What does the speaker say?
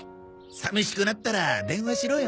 さみしくなったら電話しろよ！